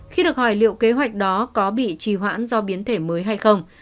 khi được hỏi liệu kế hoạch đó có bị trì hoãn do biến thể mới hay không